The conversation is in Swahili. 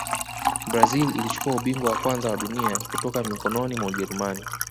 brazil ilichukua ubingwa wa kwanza wa dunia kutoka mikononi mwa ujerumani